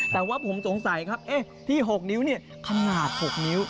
แต่ว่าผมจงใส่ครับที่๖นิ้วขนาด๖นิ้ว